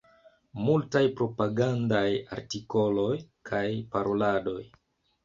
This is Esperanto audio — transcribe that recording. Multaj propagandaj artikoloj kaj paroladoj.